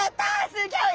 すギョい！